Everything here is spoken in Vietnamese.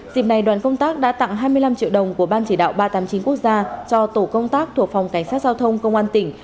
dịp này đoàn công tác đã tặng hai mươi năm triệu đồng của ban chỉ đạo ba trăm tám mươi chín quốc gia cho tổ công tác thuộc phòng cảnh sát giao thông công an tỉnh